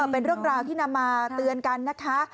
เป็นเรื่องราวที่นำมาเตือนกันนะคะ